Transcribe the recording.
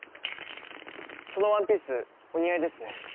そのワンピースお似合いですね。